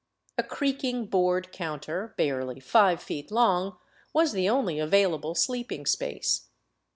A creaking board counter, barely five feet long, was the only available sleeping space.